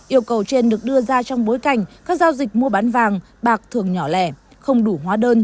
yêu cầu trên được đưa ra trong bối cảnh các giao dịch mua bán vàng bạc thường nhỏ lẻ không đủ hóa đơn